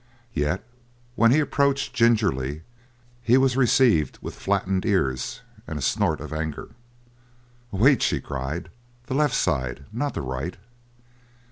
Yet when he approached gingerly he was received with flattened ears and a snort of anger. "Wait," she cried, "the left side, not the right!"